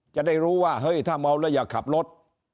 จะได้รู้ว่าเฮ้ยถ้าเมาแล้วอย่าขับรถ